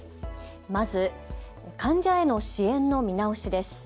まず患者への支援の見直しです。